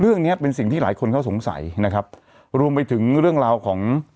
เรื่องเนี้ยเป็นสิ่งที่หลายคนเขาสงสัยนะครับรวมไปถึงเรื่องราวของ